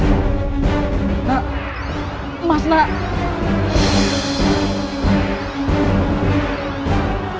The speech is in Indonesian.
sama tentang awas beliau sampai hangat sampai awang whats